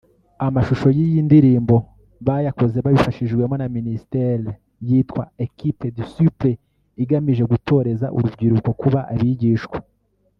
Amashusho y’iyi ndirimbo bayakoze babifashijwemo na ministere yitwa ‘Equip disciples’ igamije gutoreza urubyiruko kuba abigishwa